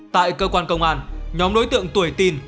tại cơ quan công an nhóm đối tượng tuổi tin